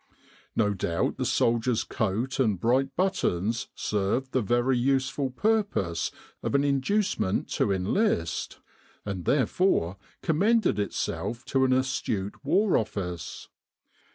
No doubt the soldier's coat and bright buttons served the very useful purpose of an induce ment to enlist; and therefore commended itself to an astute War Office.